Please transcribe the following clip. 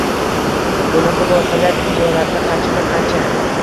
Bunaqa voqealar tijoratda qanchadan-qancha?!